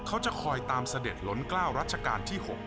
เขาจะคอยตามเสด็จล้นกล้าวรัชกาลที่๖